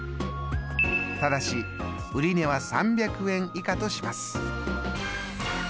ただし売値は３００円以下とします。